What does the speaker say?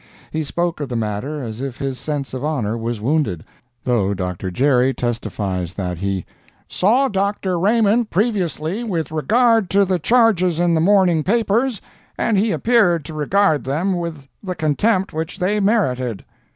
He spoke of the matter as if his sense of honor was wounded, though Dr. Gerry testifies that he "saw Dr. Raymond previously with regard to the charges in the morning papers, and he appeared to regard them with the contempt which they merited."